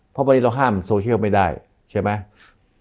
เพราะวันนี้เราห้ามโซเชียลไม่ได้ใช่ไหม